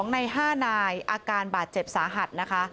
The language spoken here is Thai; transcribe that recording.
ใน๕นายอาการบาดเจ็บสาหัสนะคะ